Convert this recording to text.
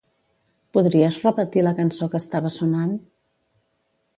Podries repetir la cançó que estava sonant?